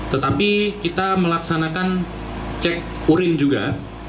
tetapi kita melaksanakan cek urin juga